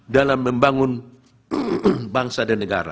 dalam membangun bangsa dan negara